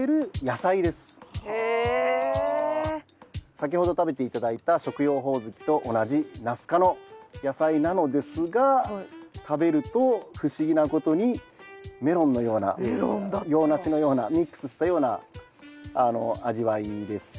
先ほど食べて頂いた食用ホオズキと同じナス科の野菜なのですが食べると不思議なことにメロンのような洋梨のようなミックスしたような味わいです。